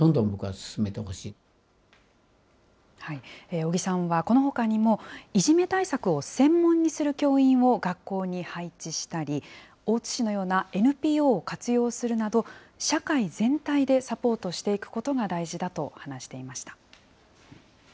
尾木さんは、このほかにもいじめ対策を専門にする教員を学校に配置したり、大津市のようなＮＰＯを活用するなど、社会全体でサポートしていくことが大事だと話していました。